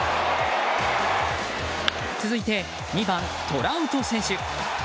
続いて、２番トラウト選手。